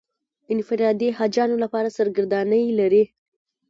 انفرادي حاجیانو لپاره سرګردانۍ لري.